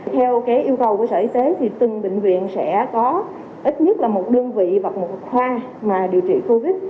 theo yêu cầu của sở y tế thì từng bệnh viện sẽ có ít nhất là một đơn vị và một khoa mà điều trị covid